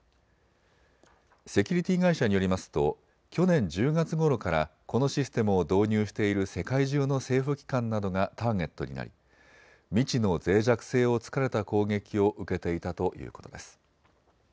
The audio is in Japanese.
セキュリティー会社によりますと去年１０月ごろからこのシステムを導入している世界中の政府機関などがターゲットになり、未知のぜい弱性を突かれた攻撃を受けていたということです。